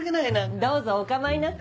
どうぞお構いなく。